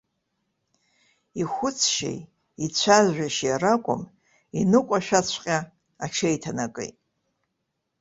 Ихәыцшьеи ицәажәашьеи ракәым, иныҟәашәаҵәҟьа аҽеиҭанакит.